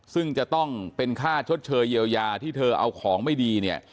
ซึ่งจะต้องเป็นค่าชดเชยเยียวยาที่เธอเอาของไม่ดีเนี่ย